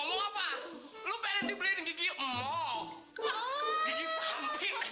bapakku dia bilang aku memang seksi